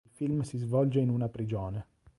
Il film si svolge in una prigione.